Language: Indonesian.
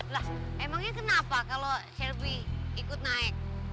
lah emangnya kenapa kalau selfie ikut naik